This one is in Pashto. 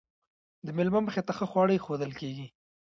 د میلمه مخې ته ښه خواړه ایښودل کیږي.